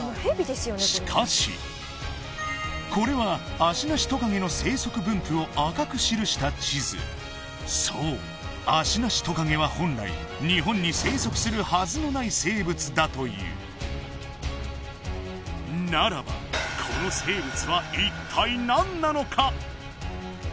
しかしこれはアシナシトカゲの生息分布を赤く記した地図そうアシナシトカゲは本来日本に生息するはずのない生物だというならばこの生物は一体何なのか？